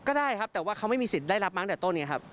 ได้ครับแต่ว่าเขาไม่มีสิทธิ์ได้รับมาตั้งแต่ต้นไงครับ